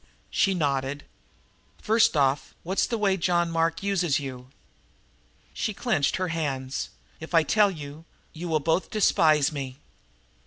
She nodded. "First off, what's the way John Mark uses you?" She clenched her hands. "If I tell you that, you will both despise me."